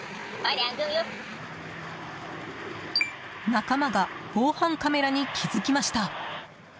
仲間が防犯カメラに気づきました。